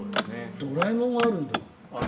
「ドラえもん」があるんだ。